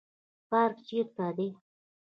پارک چیرته دی؟